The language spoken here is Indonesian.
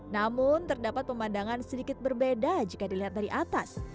namun terdapat pemandangan sedikit berbeda jika dilihat dari atas